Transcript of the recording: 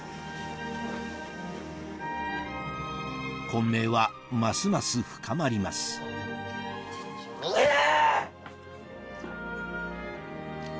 混迷はますます深まりますおりゃ！